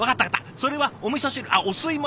それはおみそ汁あっお吸い物？